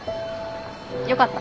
よかった。